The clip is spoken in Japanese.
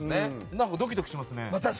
ドキドキしますね。